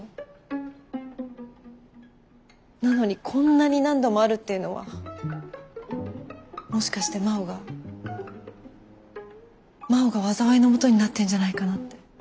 なのにこんなに何度もあるっていうのはもしかして真央が真央が災いのもとになってるんじゃないかなって。